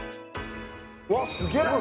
わっ、すげえ！